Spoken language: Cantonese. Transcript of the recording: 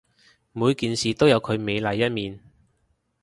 每件事物都有佢美麗一面